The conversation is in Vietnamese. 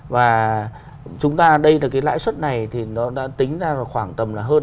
và chúng ta đây là cái lãi suất này thì nó đã tính ra khoảng tầm là hơn tám mươi bảy